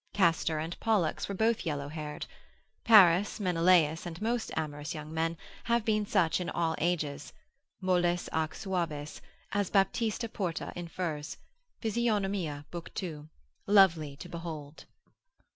Castor and Pollux were both yellow haired. Paris, Menelaus, and most amorous young men, have been such in all ages, molles ac suaves, as Baptista Porta infers, Physiog. lib. 2. lovely to behold.